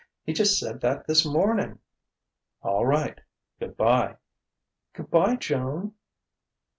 He just said that this morning." "All right. Good bye." "Good bye, Joan."